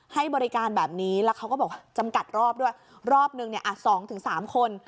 ให้บริการแบบนี้แล้วเขาก็บอกว่าจำกัดรอบด้วยรอบหนึ่งเนี้ยอ่ะสองถึงสามคน